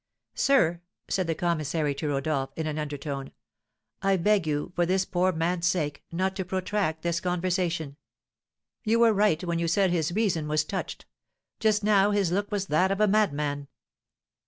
"Sir," said the commissary to Rodolph, in an undertone, "I beg you for this poor man's sake not to protract this conversation. You were right when you said his reason was touched; just now his look was that of a madman."